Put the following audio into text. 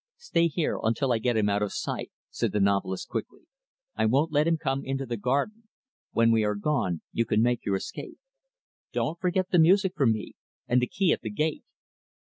"Stay here until I get him out of sight," said the novelist quickly. "I won't let him come into the garden. When we are gone, you can make your escape. Don't forget the music for me, and the key at the gate."